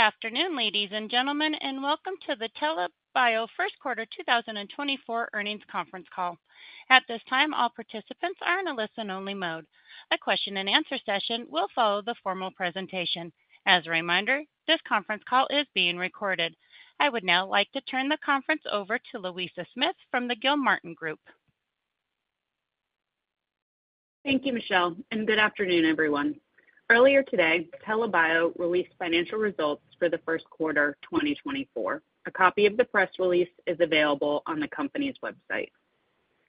Good afternoon, ladies and gentlemen, and welcome to the TELA Bio first quarter 2024 earnings conference call. At this time, all participants are in a listen-only mode. A question-and-answer session will follow the formal presentation. As a reminder, this conference call is being recorded. I would now like to turn the conference over to Louisa Smith from the Gilmartin Group. Thank you, Michelle, and good afternoon, everyone. Earlier today, TELA Bio released financial results for the first quarter 2024. A copy of the press release is available on the company's website.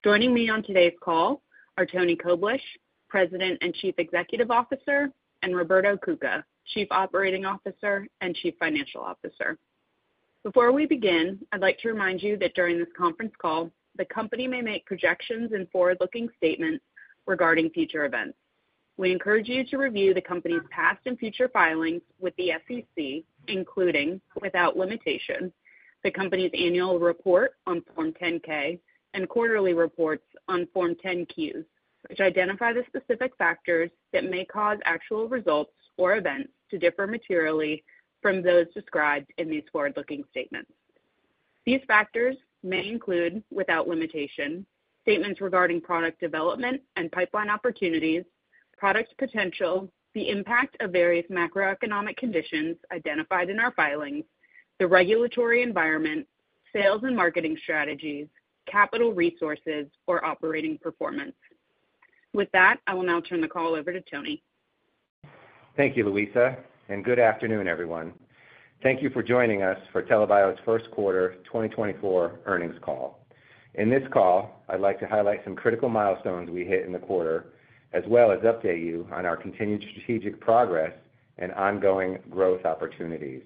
Joining me on today's call are Antony Koblish, President and Chief Executive Officer, and Roberto Cuca, Chief Operating Officer and Chief Financial Officer. Before we begin, I'd like to remind you that during this conference call, the company may make projections and forward-looking statements regarding future events. We encourage you to review the company's past and future filings with the SEC, including, without limitation, the company's annual report on Form 10-K and quarterly reports on Form 10-Qs, which identify the specific factors that may cause actual results or events to differ materially from those described in these forward-looking statements. These factors may include, without limitation, statements regarding product development and pipeline opportunities, product potential, the impact of various macroeconomic conditions identified in our filings, the regulatory environment, sales and marketing strategies, capital resources, or operating performance. With that, I will now turn the call over to Tony. Thank you, Louisa, and good afternoon, everyone. Thank you for joining us for TELA Bio's first quarter 2024 earnings call. In this call, I'd like to highlight some critical milestones we hit in the quarter, as well as update you on our continued strategic progress and ongoing growth opportunities.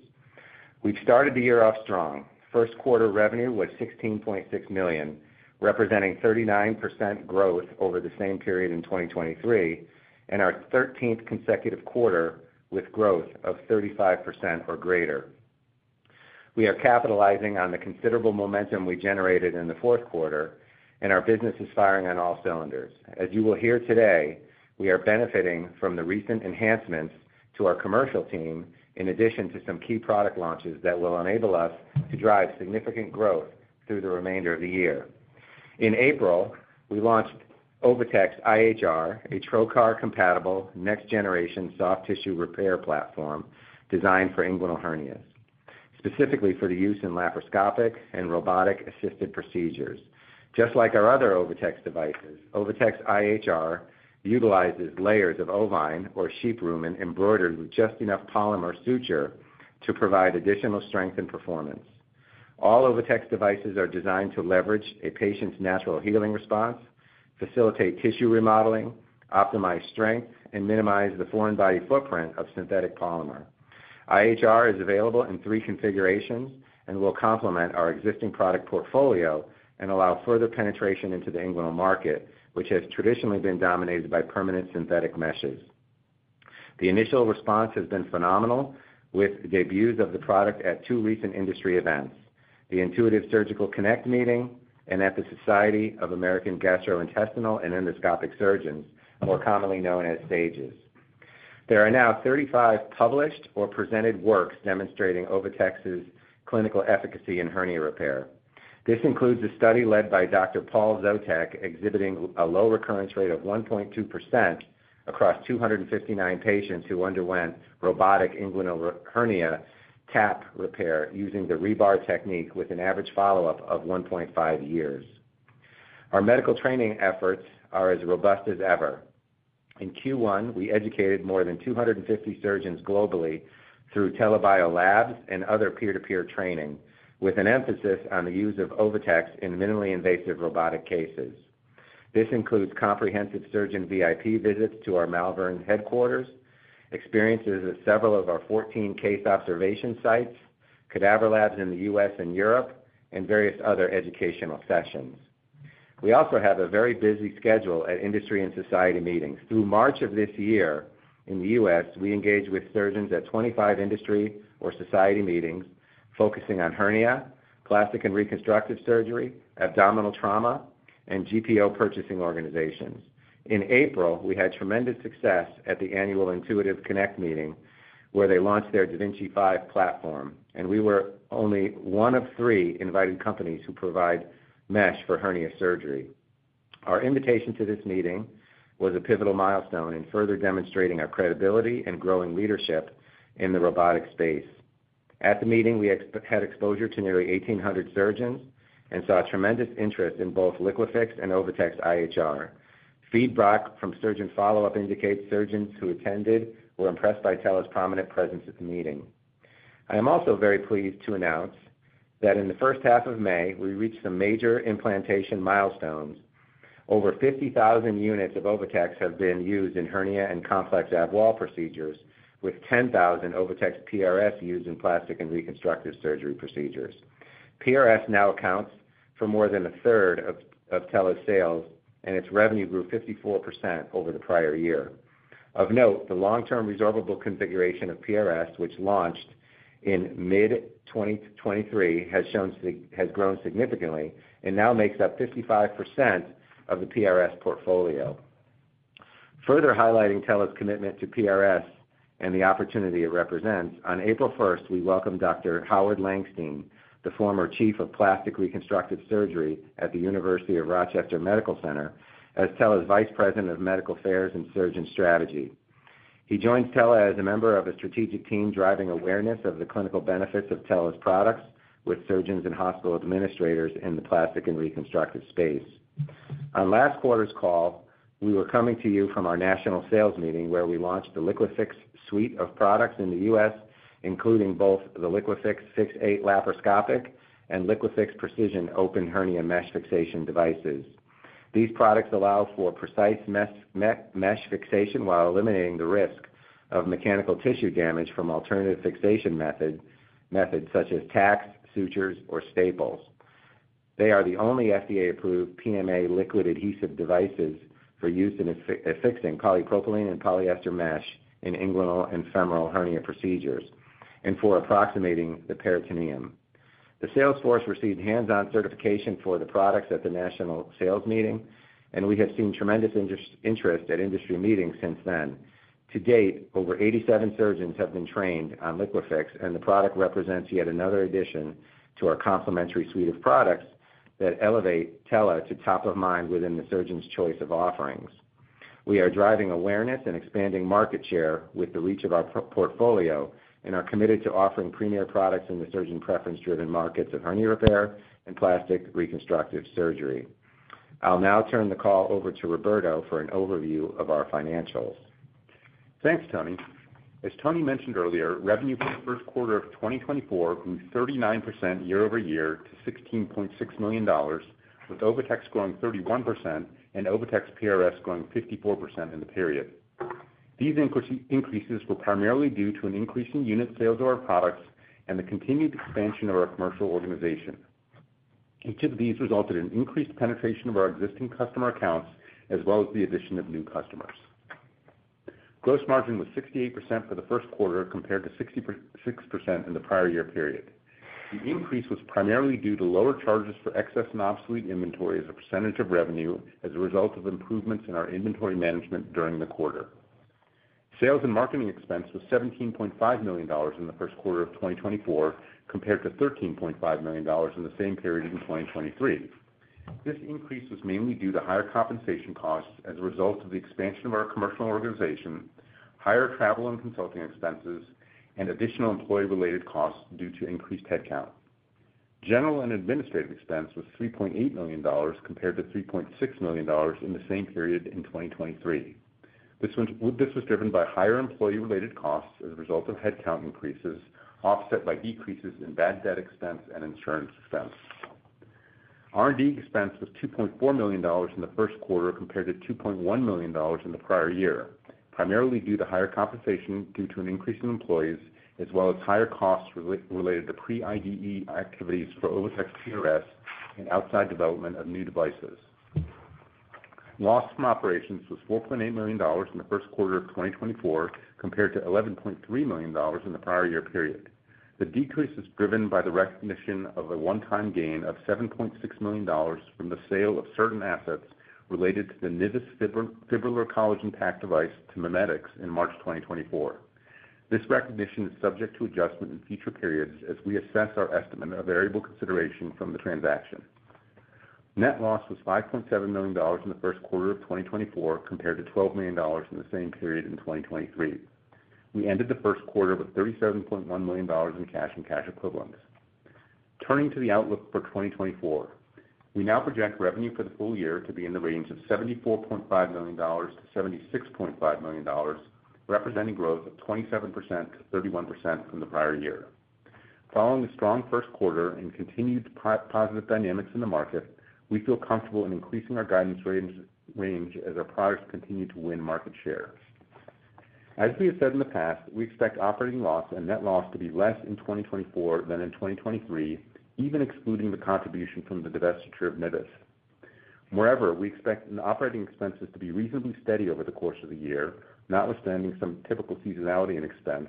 We've started the year off strong. First quarter revenue was $16.6 million, representing 39% growth over the same period in 2023, and our 13th consecutive quarter with growth of 35% or greater. We are capitalizing on the considerable momentum we generated in the fourth quarter, and our business is firing on all cylinders. As you will hear today, we are benefiting from the recent enhancements to our commercial team in addition to some key product launches that will enable us to drive significant growth through the remainder of the year. In April, we launched OviTex IHR, a trocar-compatible next-generation soft tissue repair platform designed for inguinal hernias, specifically for the use in laparoscopic and robotic-assisted procedures. Just like our other OviTex devices, OviTex IHR utilizes layers of ovine, or sheep rumen, embroidered with just enough polymer suture to provide additional strength and performance. All OviTex devices are designed to leverage a patient's natural healing response, facilitate tissue remodeling, optimize strength, and minimize the foreign-body footprint of synthetic polymer. IHR is available in three configurations and will complement our existing product portfolio and allow further penetration into the inguinal market, which has traditionally been dominated by permanent synthetic meshes. The initial response has been phenomenal with debuts of the product at two recent industry events: the Intuitive Surgical Connect meeting and at the Society of American Gastrointestinal and Endoscopic Surgeons, more commonly known as SAGES. There are now 35 published or presented works demonstrating OviTex's clinical efficacy in hernia repair. This includes a study led by Dr. Paul Szotek exhibiting a low recurrence rate of 1.2% across 259 patients who underwent robotic inguinal hernia TAP repair using the ReBAR technique with an average follow-up of 1.5 years. Our medical training efforts are as robust as ever. In Q1, we educated more than 250 surgeons globally through TELA Bio Labs and other peer-to-peer training, with an emphasis on the use of OviTex in minimally invasive robotic cases. This includes comprehensive surgeon VIP visits to our Malvern headquarters, experiences at several of our 14 case observation sites, cadaver labs in the U.S. and Europe, and various other educational sessions. We also have a very busy schedule at industry and society meetings. Through March of this year, in the U.S., we engaged with surgeons at 25 industry or society meetings focusing on hernia, plastic and reconstructive surgery, abdominal trauma, and GPO purchasing organizations. In April, we had tremendous success at the annual Intuitive Connect meeting, where they launched their da Vinci 5 platform, and we were only one of three invited companies who provide mesh for hernia surgery. Our invitation to this meeting was a pivotal milestone in further demonstrating our credibility and growing leadership in the robotic space. At the meeting, we had exposure to nearly 1,800 surgeons and saw tremendous interest in both LIQUIFIX and OviTex IHR. Feedback from surgeon follow-up indicates surgeons who attended were impressed by TELA's prominent presence at the meeting. I am also very pleased to announce that in the first half of May, we reached some major implantation milestones. Over 50,000 units of OviTex have been used in hernia and complex ab wall procedures, with 10,000 OviTex PRS used in plastic and reconstructive surgery procedures. PRS now accounts for more than a third of TELA's sales, and its revenue grew 54% over the prior year. Of note, the long-term resorbable configuration of PRS, which launched in mid-2023, has grown significantly and now makes up 55% of the PRS portfolio. Further highlighting TELA's commitment to PRS and the opportunity it represents, on April 1st, we welcomed Dr. Howard Langstein, the former Chief of Plastic and Reconstructive Surgery at the University of Rochester Medical Center, as TELA's Vice President of Medical Affairs and Surgeon Strategy. He joins TELA as a member of a strategic team driving awareness of the clinical benefits of TELA's products with surgeons and hospital administrators in the plastic and reconstructive space. On last quarter's call, we were coming to you from our national sales meeting, where we launched the LIQUIFIX suite of products in the U.S., including both the LIQUIFIX FIX8 laparoscopic and LIQUIFIX Precision Open Hernia Mesh Fixation devices. These products allow for precise mesh fixation while eliminating the risk of mechanical tissue damage from alternative fixation methods such as tacks, sutures, or staples. They are the only FDA-approved PMA liquid adhesive devices for use in fixing polypropylene and polyester mesh in inguinal and femoral hernia procedures and for approximating the peritoneum. The sales force received hands-on certification for the products at the national sales meeting, and we have seen tremendous interest at industry meetings since then. To date, over 87 surgeons have been trained on LIQUIFIX, and the product represents yet another addition to our complementary suite of products that elevate TELA to top of mind within the surgeon's choice of offerings. We are driving awareness and expanding market share with the reach of our portfolio, and are committed to offering premier products in the surgeon-preference-driven markets of hernia repair and plastic reconstructive surgery. I'll now turn the call over to Roberto for an overview of our financials. Thanks, Tony. As Tony mentioned earlier, revenue for the first quarter of 2024 grew 39% year-over-year to $16.6 million, with OviTex growing 31% and OviTex PRS growing 54% in the period. These increases were primarily due to an increase in unit sales of our products and the continued expansion of our commercial organization. Each of these resulted in increased penetration of our existing customer accounts as well as the addition of new customers. Gross margin was 68% for the first quarter compared to 66% in the prior year period. The increase was primarily due to lower charges for excess and obsolete inventory as a percentage of revenue as a result of improvements in our inventory management during the quarter. Sales and marketing expense was $17.5 million in the first quarter of 2024 compared to $13.5 million in the same period in 2023. This increase was mainly due to higher compensation costs as a result of the expansion of our commercial organization, higher travel and consulting expenses, and additional employee-related costs due to increased headcount. General and administrative expense was $3.8 million compared to $3.6 million in the same period in 2023. This was driven by higher employee-related costs as a result of headcount increases offset by decreases in bad debt expense and insurance expense. R&D expense was $2.4 million in the first quarter compared to $2.1 million in the prior year, primarily due to higher compensation due to an increase in employees as well as higher costs related to pre-IDE activities for OviTex PRS and outside development of new devices. Loss from operations was $4.8 million in the first quarter of 2024 compared to $11.3 million in the prior year period. The decrease is driven by the recognition of a one-time gain of $7.6 million from the sale of certain assets related to the NIVIS fibrillar collagen pack device to Mimetis in March 2024. This recognition is subject to adjustment in future periods as we assess our estimate of variable consideration from the transaction. Net loss was $5.7 million in the first quarter of 2024 compared to $12 million in the same period in 2023. We ended the first quarter with $37.1 million in cash and cash equivalents. Turning to the outlook for 2024, we now project revenue for the full year to be in the range of $74.5 million-$76.5 million, representing growth of 27%-31% from the prior year. Following a strong first quarter and continued positive dynamics in the market, we feel comfortable in increasing our guidance range as our products continue to win market share. As we have said in the past, we expect operating loss and net loss to be less in 2024 than in 2023, even excluding the contribution from the divestiture of NIVIS. Moreover, we expect operating expenses to be reasonably steady over the course of the year, notwithstanding some typical seasonality in expense,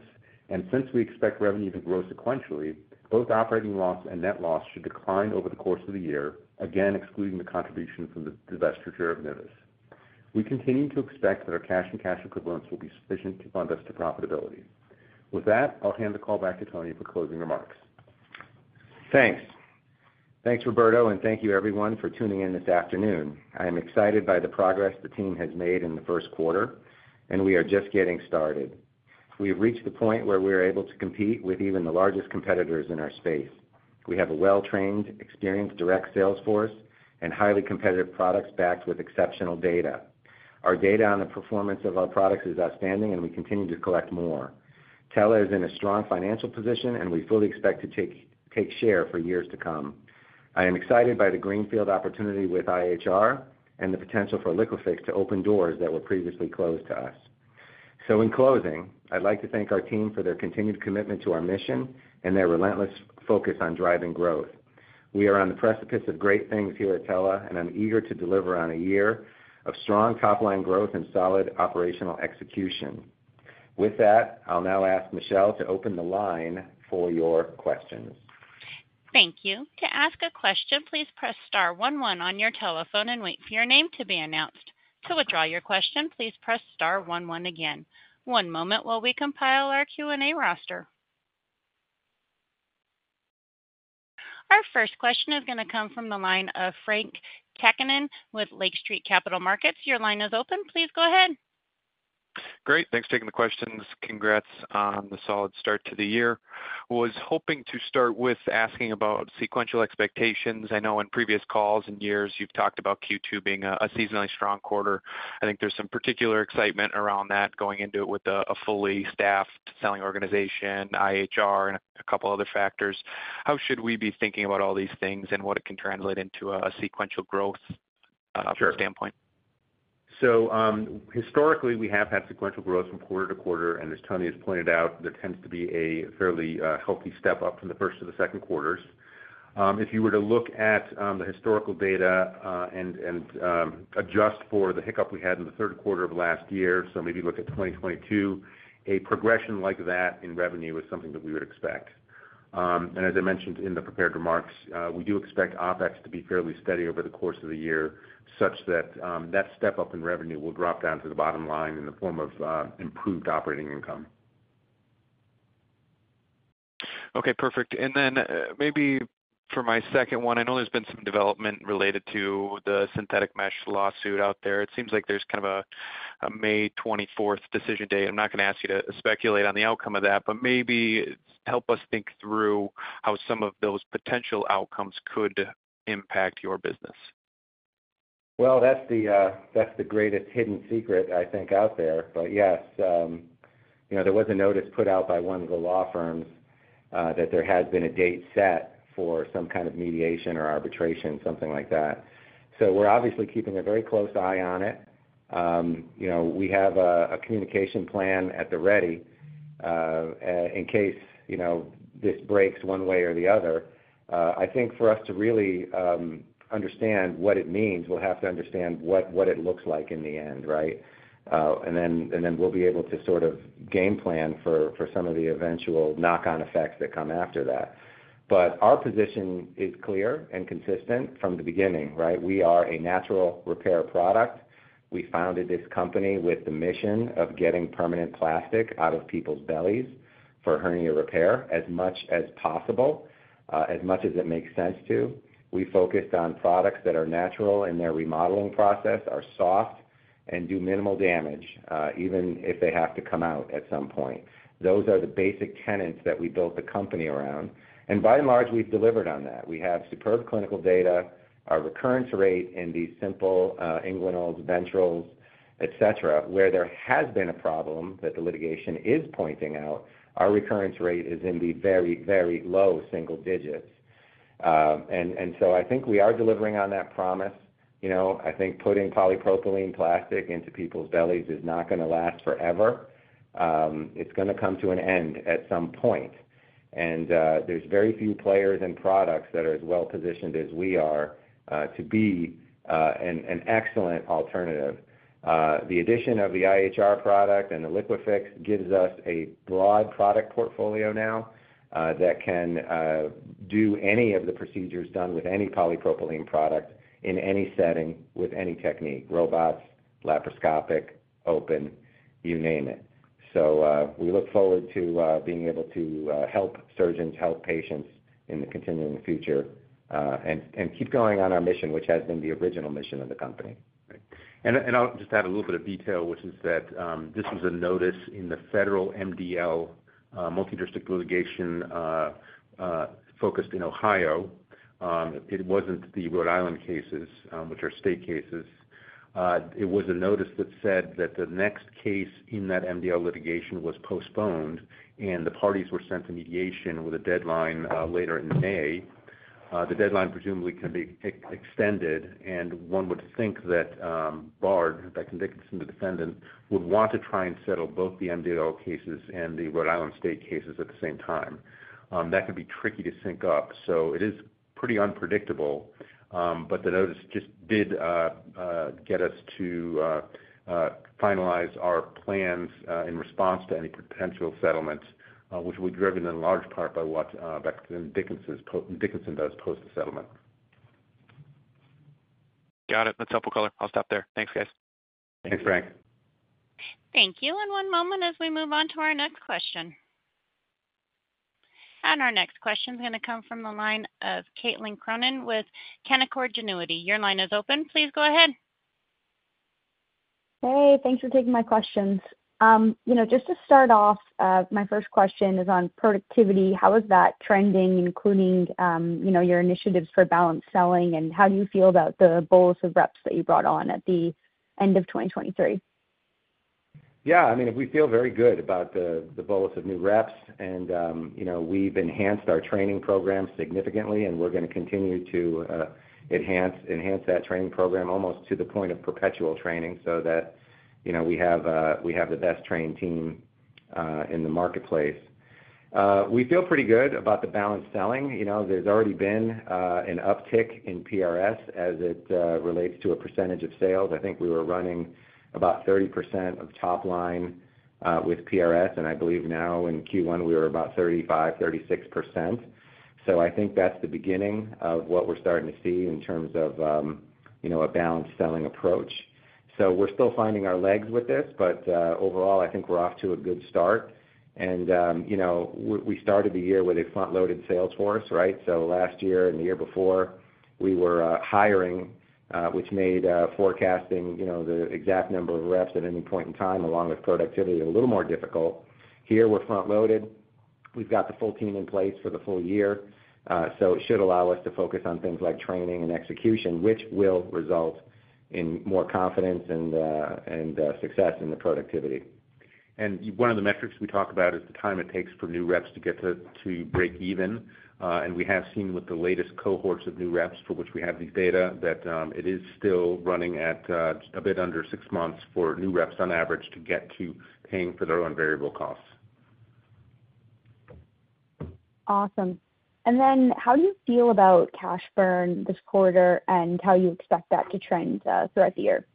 and since we expect revenue to grow sequentially, both operating loss and net loss should decline over the course of the year, again excluding the contribution from the divestiture of NIVIS. We continue to expect that our cash and cash equivalents will be sufficient to fund us to profitability. With that, I'll hand the call back to Tony for closing remarks. Thanks. Thanks, Roberto, and thank you, everyone, for tuning in this afternoon. I am excited by the progress the team has made in the first quarter, and we are just getting started. We have reached the point where we are able to compete with even the largest competitors in our space. We have a well-trained, experienced direct sales force and highly competitive products backed with exceptional data. Our data on the performance of our products is outstanding, and we continue to collect more. TELA is in a strong financial position, and we fully expect to take share for years to come. I am excited by the greenfield opportunity with IHR and the potential for LIQUIFIX to open doors that were previously closed to us. So in closing, I'd like to thank our team for their continued commitment to our mission and their relentless focus on driving growth. We are on the precipice of great things here at TELA, and I'm eager to deliver on a year of strong top-line growth and solid operational execution. With that, I'll now ask Michelle to open the line for your questions. Thank you. To ask a question, please press star one one on your telephone and wait for your name to be announced. To withdraw your question, please press star one one again. One moment while we compile our Q&A roster. Our first question is going to come from the line of Frank Takkinen with Lake Street Capital Markets. Your line is open. Please go ahead. Great. Thanks for taking the questions. Congrats on the solid start to the year. I was hoping to start with asking about sequential expectations. I know in previous calls and years, you've talked about Q2 being a seasonally strong quarter. I think there's some particular excitement around that going into it with a fully staffed selling organization, IHR, and a couple other factors. How should we be thinking about all these things and what it can translate into a sequential growth standpoint? So historically, we have had sequential growth from quarter to quarter, and as Tony has pointed out, there tends to be a fairly healthy step up from the first to the second quarters. If you were to look at the historical data and adjust for the hiccup we had in the third quarter of last year, so maybe look at 2022, a progression like that in revenue is something that we would expect. And as I mentioned in the prepared remarks, we do expect OpEx to be fairly steady over the course of the year, such that that step up in revenue will drop down to the bottom line in the form of improved operating income. Okay. Perfect. And then maybe for my second one, I know there's been some development related to the synthetic mesh lawsuit out there. It seems like there's kind of a May 24th decision day. I'm not going to ask you to speculate on the outcome of that, but maybe help us think through how some of those potential outcomes could impact your business. Well, that's the greatest hidden secret, I think, out there. But yes, there was a notice put out by one of the law firms that there had been a date set for some kind of mediation or arbitration, something like that. So we're obviously keeping a very close eye on it. We have a communication plan at the ready in case this breaks one way or the other. I think for us to really understand what it means, we'll have to understand what it looks like in the end, right? And then we'll be able to sort of game plan for some of the eventual knock-on effects that come after that. But our position is clear and consistent from the beginning, right? We are a natural repair product. We founded this company with the mission of getting permanent plastic out of people's bellies for hernia repair as much as possible, as much as it makes sense to. We focused on products that are natural in their remodeling process, are soft, and do minimal damage, even if they have to come out at some point. Those are the basic tenets that we built the company around. And by and large, we've delivered on that. We have superb clinical data. Our recurrence rate in these simple inguinals, ventrals, etc., where there has been a problem that the litigation is pointing out, our recurrence rate is in the very, very low single digits. And so I think we are delivering on that promise. I think putting polypropylene plastic into people's bellies is not going to last forever. It's going to come to an end at some point. There's very few players and products that are as well-positioned as we are to be an excellent alternative. The addition of the IHR product and the LIQUIFIX gives us a broad product portfolio now that can do any of the procedures done with any polypropylene product in any setting with any technique: robots, laparoscopic, open, you name it. We look forward to being able to help surgeons, help patients in the continuing future, and keep going on our mission, which has been the original mission of the company. I'll just add a little bit of detail, which is that this was a notice in the federal MDL, multidistrict litigation focused in Ohio. It wasn't the Rhode Island cases, which are state cases. It was a notice that said that the next case in that MDL litigation was postponed, and the parties were sent to mediation with a deadline later in May. The deadline presumably can be extended, and one would think that Bard, Becton and Dickinson, the defendant, would want to try and settle both the MDL cases and the Rhode Island state cases at the same time. That can be tricky to sync up, so it is pretty unpredictable. But the notice just did get us to finalize our plans in response to any potential settlements, which will be driven in large part by what Becton and Dickinson does post the settlement. Got it. That's helpful, Color. I'll stop there. Thanks, guys. Thanks, Frank. Thank you. One moment as we move on to our next question. Our next question is going to come from the line of Caitlin Cronin with Canaccord Genuity. Your line is open. Please go ahead. Hey. Thanks for taking my questions. Just to start off, my first question is on productivity. How is that trending, including your initiatives for balanced selling, and how do you feel about the bolus of reps that you brought on at the end of 2023? Yeah. I mean, we feel very good about the bolus of new reps, and we've enhanced our training program significantly, and we're going to continue to enhance that training program almost to the point of perpetual training so that we have the best-trained team in the marketplace. We feel pretty good about the balanced selling. There's already been an uptick in PRS as it relates to a percentage of sales. I think we were running about 30% of top-line with PRS, and I believe now in Q1, we were about 35%-36%. So I think that's the beginning of what we're starting to see in terms of a balanced selling approach. So we're still finding our legs with this, but overall, I think we're off to a good start. And we started the year with a front-loaded sales force, right? Last year and the year before, we were hiring, which made forecasting the exact number of reps at any point in time, along with productivity, a little more difficult. Here, we're front-loaded. We've got the full team in place for the full year, so it should allow us to focus on things like training and execution, which will result in more confidence and success in the productivity. One of the metrics we talk about is the time it takes for new reps to get to break even. We have seen with the latest cohorts of new reps, for which we have these data, that it is still running at a bit under six months for new reps on average to get to paying for their own variable costs. Awesome. Then how do you feel about cash burn this quarter and how you expect that to trend throughout the year?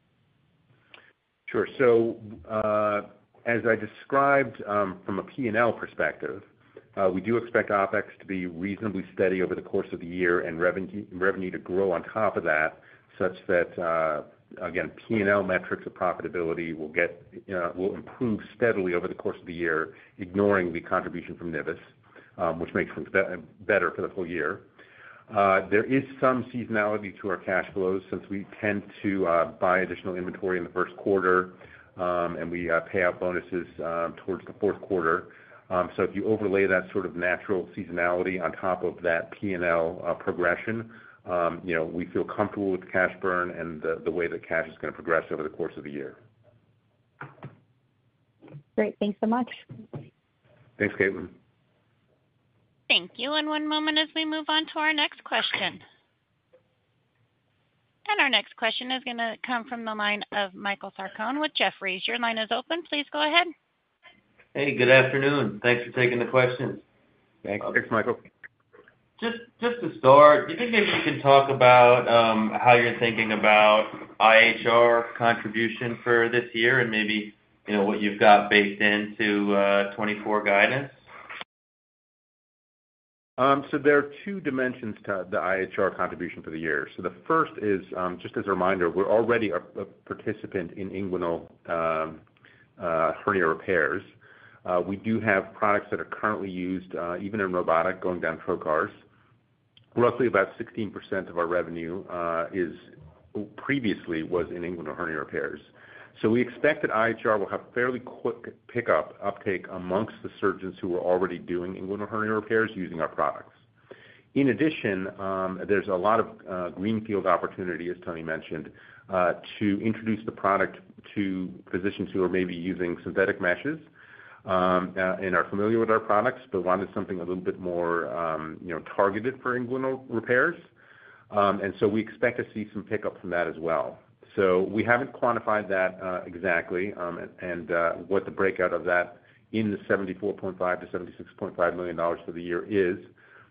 Sure. So as I described from a P&L perspective, we do expect OPEX to be reasonably steady over the course of the year and revenue to grow on top of that, such that, again, P&L metrics of profitability will improve steadily over the course of the year, ignoring the contribution from NIVIS, which makes things better for the whole year. There is some seasonality to our cash flows since we tend to buy additional inventory in the first quarter, and we pay out bonuses towards the fourth quarter. So if you overlay that sort of natural seasonality on top of that P&L progression, we feel comfortable with cash burn and the way that cash is going to progress over the course of the year. Great. Thanks so much. Thanks, Caitlin. Thank you. And one moment as we move on to our next question. And our next question is going to come from the line of Michael Sarcone with Jefferies. Your line is open. Please go ahead. Hey. Good afternoon. Thanks for taking the questions. Thanks. Thanks, Michael. Just to start, do you think maybe you can talk about how you're thinking about IHR contribution for this year and maybe what you've got baked into 2024 guidance? So there are two dimensions, Todd, the IHR contribution for the year. So the first is, just as a reminder, we're already a participant in inguinal hernia repairs. We do have products that are currently used, even in robotic, going down trocars. Roughly about 16% of our revenue previously was in inguinal hernia repairs. So we expect that IHR will have fairly quick pickup, uptake amongst the surgeons who are already doing inguinal hernia repairs using our products. In addition, there's a lot of greenfield opportunity, as Tony mentioned, to introduce the product to physicians who are maybe using synthetic meshes and are familiar with our products but wanted something a little bit more targeted for inguinal repairs. And so we expect to see some pickup from that as well. We haven't quantified that exactly and what the breakout of that in the $74.5-$76.5 million for the year is,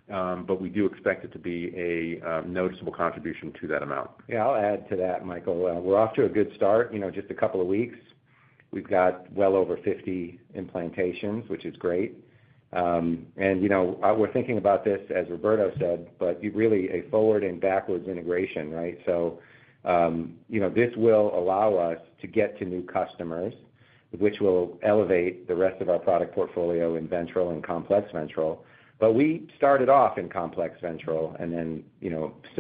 but we do expect it to be a noticeable contribution to that amount. Yeah. I'll add to that, Michael. We're off to a good start. Just a couple of weeks, we've got well over 50 implantations, which is great. And we're thinking about this, as Roberto said, but really a forward and backwards integration, right? So this will allow us to get to new customers, which will elevate the rest of our product portfolio in ventral and complex ventral. But we started off in complex ventral and then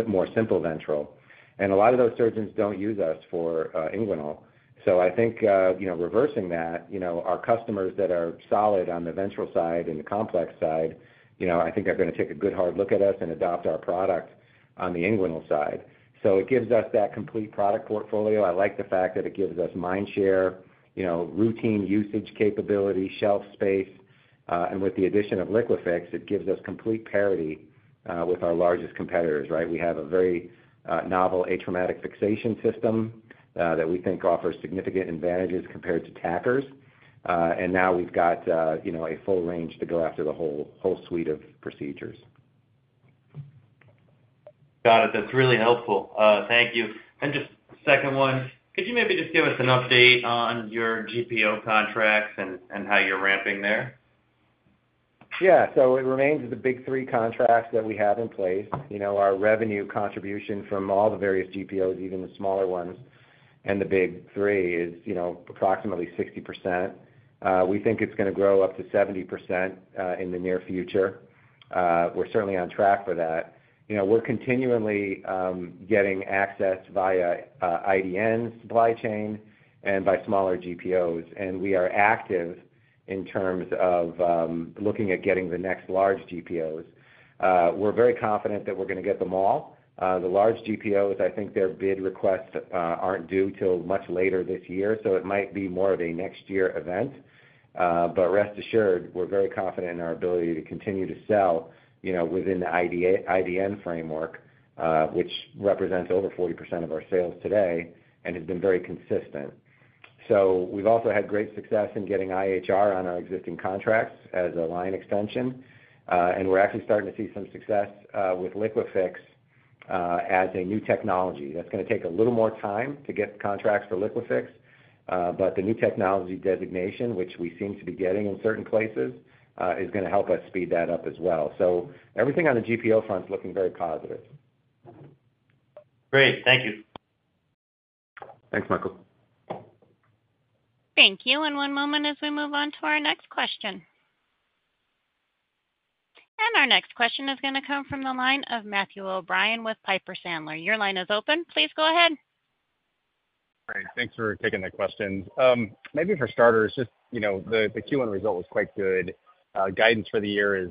more simple ventral. And a lot of those surgeons don't use us for inguinal. So I think reversing that, our customers that are solid on the ventral side and the complex side, I think are going to take a good hard look at us and adopt our product on the inguinal side. So it gives us that complete product portfolio. I like the fact that it gives us mindshare, routine usage capability, shelf space. With the addition of LIQUIFIX, it gives us complete parity with our largest competitors, right? We have a very novel atraumatic fixation system that we think offers significant advantages compared to tackers. Now we've got a full range to go after the whole suite of procedures. Got it. That's really helpful. Thank you. And just second one, could you maybe just give us an update on your GPO contracts and how you're ramping there? Yeah. So it remains the big three contracts that we have in place. Our revenue contribution from all the various GPOs, even the smaller ones and the big three, is approximately 60%. We think it's going to grow up to 70% in the near future. We're certainly on track for that. We're continually getting access via IDN supply chain and by smaller GPOs, and we are active in terms of looking at getting the next large GPOs. We're very confident that we're going to get them all. The large GPOs, I think their bid requests aren't due till much later this year, so it might be more of a next-year event. But rest assured, we're very confident in our ability to continue to sell within the IDN framework, which represents over 40% of our sales today and has been very consistent. So we've also had great success in getting IHR on our existing contracts as a line extension, and we're actually starting to see some success with LIQUIFIX as a new technology. That's going to take a little more time to get contracts for LIQUIFIX, but the new technology designation, which we seem to be getting in certain places, is going to help us speed that up as well. So everything on the GPO front is looking very positive. Great. Thank you. Thanks, Michael. Thank you. One moment as we move on to our next question. Our next question is going to come from the line of Matthew O'Brien with Piper Sandler. Your line is open. Please go ahead. Great. Thanks for taking the questions. Maybe for starters, just the Q1 result was quite good. Guidance for the year is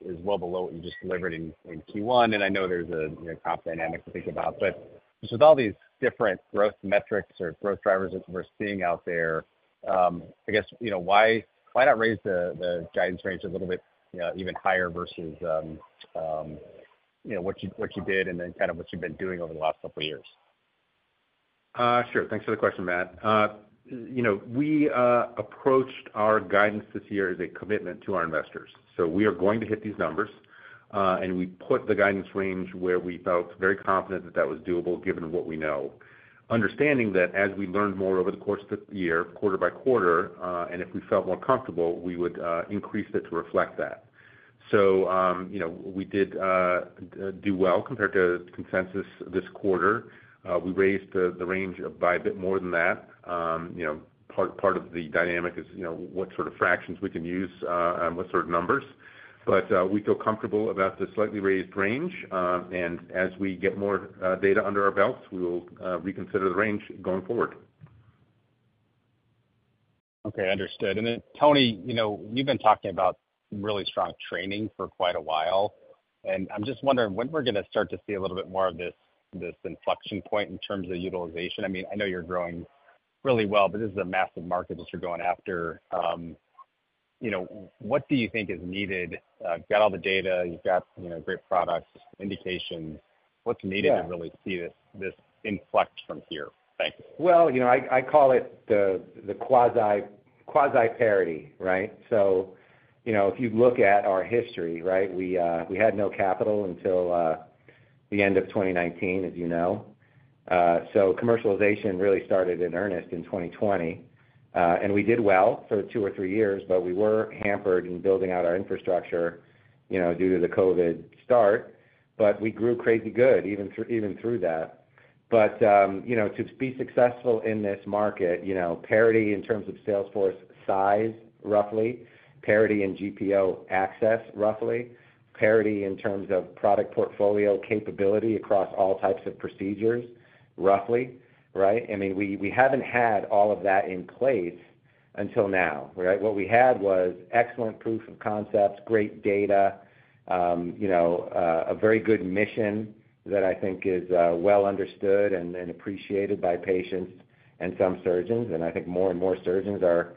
well below what you just delivered in Q1, and I know there's a comp dynamic to think about. But just with all these different growth metrics or growth drivers that we're seeing out there, I guess why not raise the guidance range a little bit even higher versus what you did and then kind of what you've been doing over the last couple of years? Sure. Thanks for the question, Matt. We approached our guidance this year as a commitment to our investors. So we are going to hit these numbers, and we put the guidance range where we felt very confident that that was doable given what we know, understanding that as we learned more over the course of the year, quarter by quarter, and if we felt more comfortable, we would increase it to reflect that. So we did do well compared to consensus this quarter. We raised the range by a bit more than that. Part of the dynamic is what sort of fractions we can use and what sort of numbers. But we feel comfortable about the slightly raised range, and as we get more data under our belts, we will reconsider the range going forward. Okay. Understood. And then, Tony, you've been talking about really strong training for quite a while, and I'm just wondering when we're going to start to see a little bit more of this inflection point in terms of utilization. I mean, I know you're growing really well, but this is a massive market that you're going after. What do you think is needed? You've got all the data. You've got great products, indications. What's needed to really see this inflect from here? Thanks. Well, I call it the quasi-parity, right? So if you look at our history, right, we had no capital until the end of 2019, as you know. So commercialization really started in earnest in 2020, and we did well for two or three years, but we were hampered in building out our infrastructure due to the COVID start. But we grew crazy good even through that. But to be successful in this market, parity in terms of sales force size, roughly, parity in GPO access, roughly, parity in terms of product portfolio capability across all types of procedures, roughly, right? I mean, we haven't had all of that in place until now, right? What we had was excellent proof of concepts, great data, a very good mission that I think is well understood and appreciated by patients and some surgeons. I think more and more surgeons are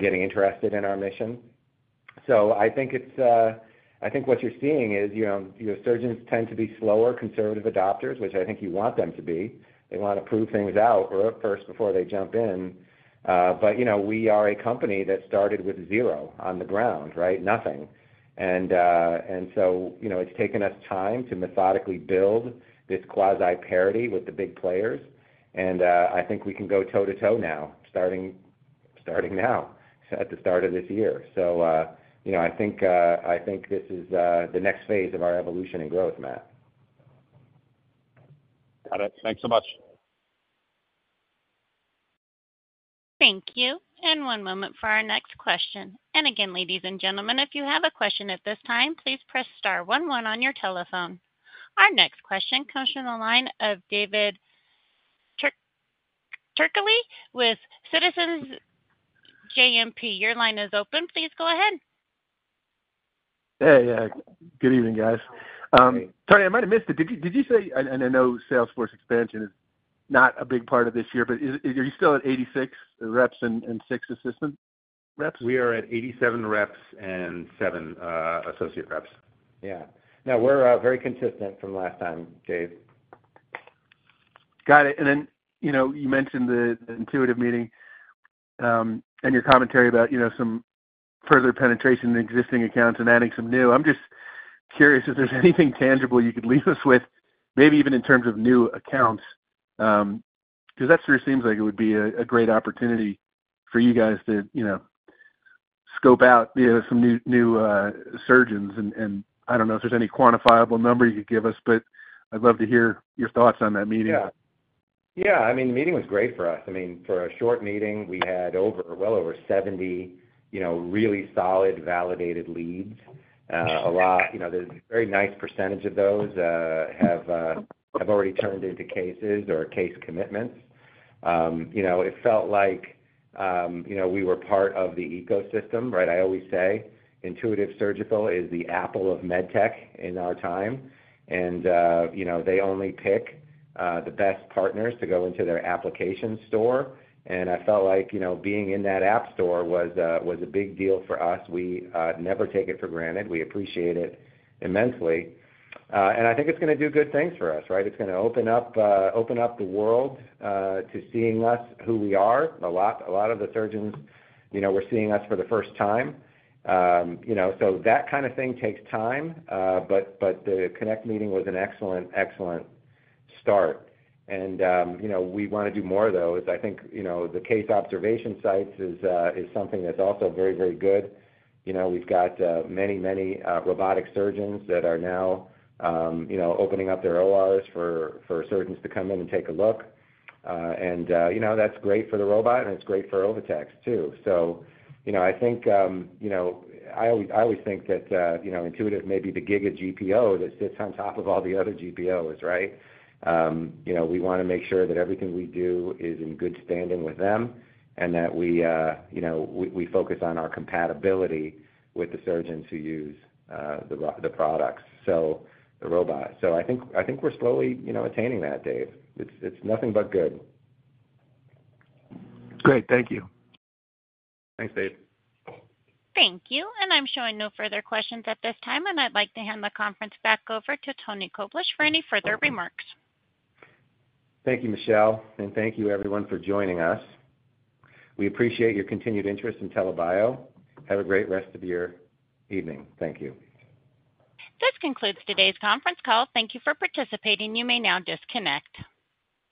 getting interested in our mission. So I think what you're seeing is surgeons tend to be slower conservative adopters, which I think you want them to be. They want to prove things out first before they jump in. But we are a company that started with zero on the ground, right? Nothing. And so it's taken us time to methodically build this quasi-parity with the big players. And I think we can go toe to toe now, starting now, at the start of this year. So I think this is the next phase of our evolution and growth, Matt. Got it. Thanks so much. Thank you. One moment for our next question. Again, ladies and gentlemen, if you have a question at this time, please press star one one on your telephone. Our next question comes from the line of David Turkaly with Citizens JMP. Your line is open. Please go ahead. Hey. Good evening, guys. Tony, I might have missed it. Did you say, and I know sales force expansion is not a big part of this year, but are you still at 86 reps and 6 assistant reps? We are at 87 reps and seven associate reps. Yeah. No, we're very consistent from last time, Dave. Got it. And then you mentioned the Intuitive meeting and your commentary about some further penetration in existing accounts and adding some new. I'm just curious if there's anything tangible you could leave us with, maybe even in terms of new accounts, because that sure seems like it would be a great opportunity for you guys to scope out some new surgeons. And I don't know if there's any quantifiable number you could give us, but I'd love to hear your thoughts on that meeting. Yeah. Yeah. I mean, the meeting was great for us. I mean, for a short meeting, we had well over 70 really solid, validated leads. A lot of very nice percentage of those have already turned into cases or case commitments. It felt like we were part of the ecosystem, right? I always say Intuitive Surgical is the apple of medtech in our time, and they only pick the best partners to go into their application store. And I felt like being in that app store was a big deal for us. We never take it for granted. We appreciate it immensely. And I think it's going to do good things for us, right? It's going to open up the world to seeing us, who we are. A lot of the surgeons, we're seeing us for the first time. So that kind of thing takes time, but the Connect meeting was an excellent, excellent start. And we want to do more of those. I think the case observation sites is something that's also very, very good. We've got many, many robotic surgeons that are now opening up their ORs for surgeons to come in and take a look. And that's great for the robot, and it's great for OviTex too. So I think I always think that Intuitive may be the king of GPO that sits on top of all the other GPOs, right? We want to make sure that everything we do is in good standing with them and that we focus on our compatibility with the surgeons who use the products, so the robots. So I think we're slowly attaining that, Dave. It's nothing but good. Great. Thank you. Thanks, Dave. Thank you. I'm showing no further questions at this time, and I'd like to hand the conference back over to Antony Koblish for any further remarks. Thank you, Michelle, and thank you, everyone, for joining us. We appreciate your continued interest in TELA Bio. Have a great rest of your evening. Thank you. This concludes today's conference call. Thank you for participating. You may now disconnect.